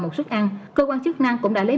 một suất ăn cơ quan chức năng cũng đã lấy